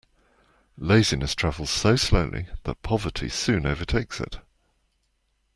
Laziness travels so slowly that poverty soon overtakes it.